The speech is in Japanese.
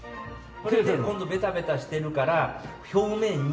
今度ベタベタしてるから表面に。